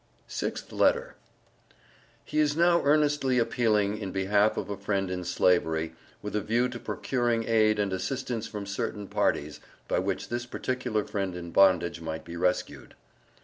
SIXTH LETTER. _He is now earnestly appealing in behalf of a friend in Slavery, with a view to procuring aid and assistance from certain parties, by which this particular friend in bondage might be rescued_.